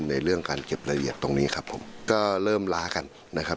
ในเรื่องการเก็บรายละเอียดตรงนี้ครับผมก็เริ่มล้ากันนะครับ